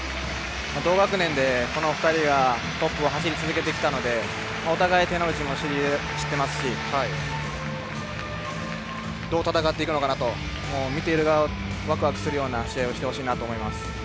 同学年でこの２人はトップを走り続けてきたのでお互い、手の内も知っていますしどう戦っていくのか見ている側がワクワクする試合を見せてほしいと思います。